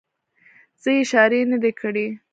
زه یې اشارې نه دي کړې.